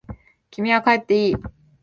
君は帰っていい。